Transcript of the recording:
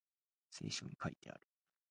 聖書に書いてある